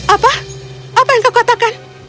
apa apa yang kau katakan